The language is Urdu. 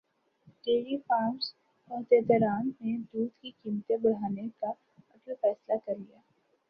ڈیری فارمز عہدیداران نے دودھ کی قیمتیں بڑھانے کا اٹل فیصلہ کرلیا